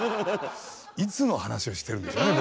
いつの話をしてるんでしょうね